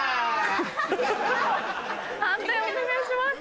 判定お願いします。